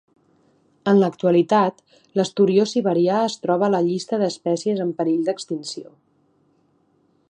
En l'actualitat, l'esturió siberià es troba a la llista d'espècies en perill d'extinció.